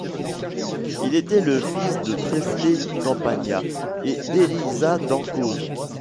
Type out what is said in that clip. Il était le fils de Trefflé Campagna et d'Eliza Dancause.